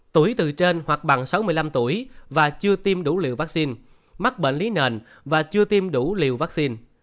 tuổi từ trên hoặc bằng sáu mươi năm tuổi và chưa tiêm đủ liều vaccine mắc bệnh lý nền và chưa tiêm đủ liều vaccine